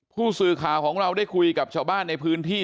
ผู้สื่อข่าวของเราได้คุยกับชาวบ้านในพื้นที่